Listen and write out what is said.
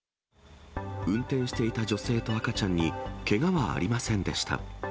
運転していた女性と赤ちゃんにけがはありませんでした。